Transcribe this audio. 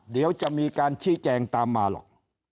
เดี๋ยวจะมีการชี้แจงตามมาหรอก